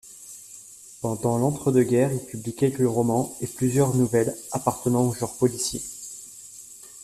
Pendant l'entre-deux-guerres, il publie quelques romans et plusieurs nouvelles appartenant au genre policier.